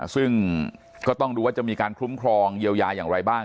ซึ่งก็ต้องดูว่าจะมีการคุ้มครองเยียวยาอย่างไรบ้าง